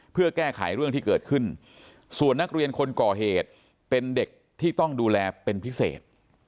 เพื่อแก้ไขเรื่องที่เกิดขึ้นส่วนนักเรียนคนก่อเหตุเป็นเด็กที่ต้องดูแลเป็นพิเศษ